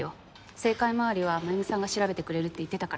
政界周りはまゆみさんが調べてくれるって言ってたから。